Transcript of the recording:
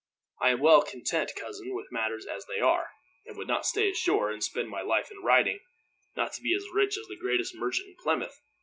I am well content, cousin, with matters as they are; and would not stay ashore and spend my life in writing, not to be as rich as the greatest merchant in Plymouth.